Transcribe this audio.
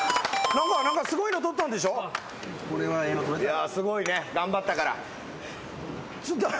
いやすごいね頑張ったから。